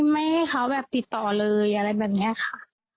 ไม่ให้เขาแบบติดต่อเลยอะไรแบบนี้ค่ะ